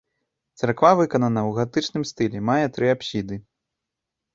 Царква выканана ў гатычным стылі, мае тры апсіды.